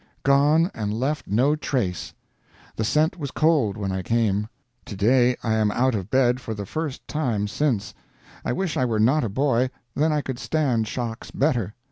Gone, and left no trace. The scent was cold when I came. To day I am out of bed for the first time since. I wish I were not a boy; then I could stand shocks better.